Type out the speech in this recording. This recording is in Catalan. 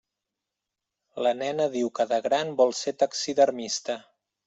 La nena diu que de gran vol ser taxidermista.